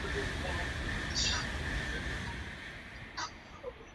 描述一名外貌欠佳的女子接受改造一跃成名的故事。